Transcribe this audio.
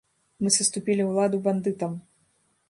Мы саступілі ўладу бандытам.